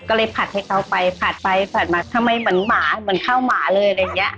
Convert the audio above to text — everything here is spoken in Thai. ก็เลยผัดให้เขาไปผัดไปผัดมาทำให้เหมือนข้าวหมาเลยอะไรอย่างนี้